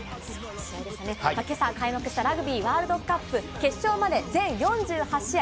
今朝、開幕したラグビーワールドカップ、決勝まで全４８試合。